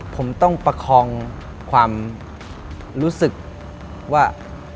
ผมต้องประคองความรู้สึกว่า